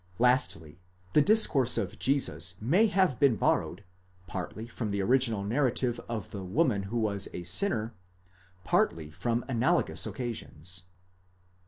Lastly, the dis course of Jesus may have been borrowed, partly from the original narrative of the woman who was a sinner, partly from analogous occasions.